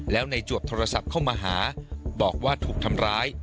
แล้วในจวบโทรศัพท์เข้ามาหาบอกว่าถูกทำร้าย